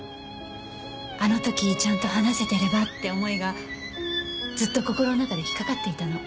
あの時ちゃんと話せてればって思いがずっと心の中で引っかかっていたの。